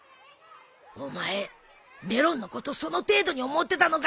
お前メロンのことその程度に思ってたのかよ。